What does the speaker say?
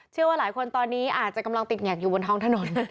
เชื่อว่าหลายคนตอนนี้อาจจะกำลังติดแงกอยู่บนท้องถนน